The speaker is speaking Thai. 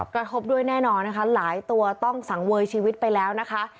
กระทบด้วยแน่นอนนะคะหลายตัวต้องสังเวยชีวิตไปแล้วนะคะ